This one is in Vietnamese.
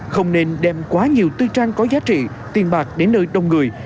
không nên đem quá nhiều tư trang có giá trị tiền bạc đến nơi đông người